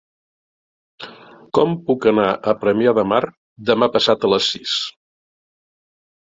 Com puc anar a Premià de Mar demà passat a les sis?